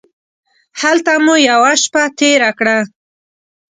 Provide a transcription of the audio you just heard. هلته مو یوه شپه تېره کړه.